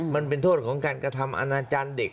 มันเป็นโทษของการกระทำอนาจารย์เด็ก